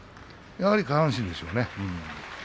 やはり下半身でしょうね。